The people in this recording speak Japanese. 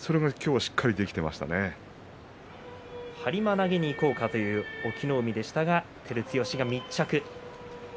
はりま投げにいこうという隠岐の海でしたけども照強は密着。